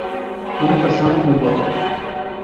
Una persona, un voto.